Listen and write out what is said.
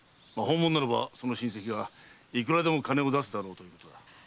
まあ本物ならばその親戚がいくらでも金を出すだろうと。